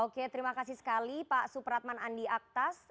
oke terima kasih sekali pak supratman andi aktas